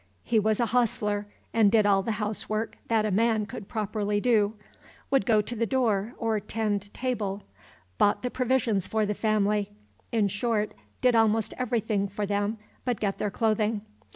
He was hostler, and did all the housework that a man could properly do, would go to the door or "tend table," bought the provisions for the family, in short, did almost everything for them but get their clothing.